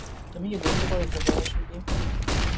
তুমি কি বলতে পার এটার রহস্য কি?